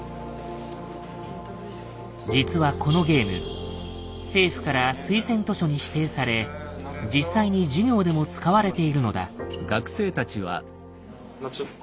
実はこのゲーム政府から推薦図書に指定され実際に授業でも使われているのだ。